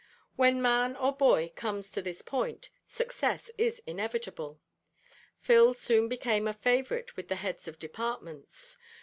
When man or boy comes to this point, success is inevitable. Phil soon became a favourite with the heads of departments.